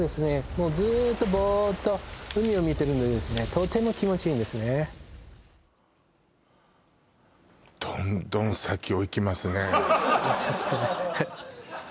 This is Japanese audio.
もうずーっとボーッと海を見てるんでですねとても気持ちいいんですねすいません